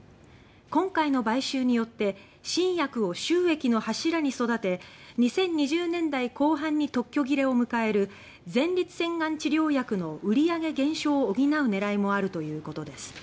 今回の買収によって新薬を収益の柱に育て２０２０年代後半に特許切れを迎える前立腺がん治療薬の売上減少を補う狙いもあるということです。